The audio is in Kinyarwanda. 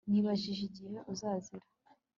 Nibajije igihe uzazira